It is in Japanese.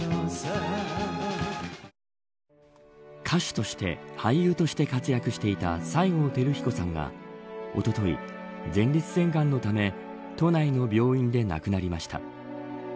歌手として俳優として活躍していた西郷輝彦さんがおととい、前立腺がんのため都内の病院で亡くなりました。